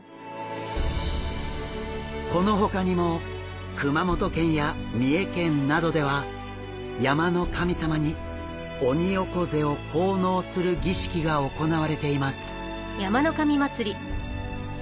このほかにも熊本県や三重県などでは山の神様にオニオコゼを奉納する儀式が行われています。